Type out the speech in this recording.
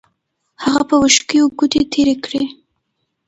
هغه په وښکیو ګوتې تېرې کړې.